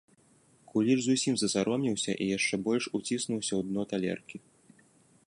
Куліч зусім засаромеўся і яшчэ больш уціснуўся ў дно талеркі.